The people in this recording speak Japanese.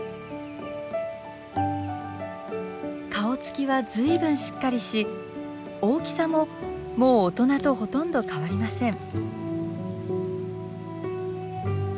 顔つきは随分しっかりし大きさももう大人とほとんど変わりません。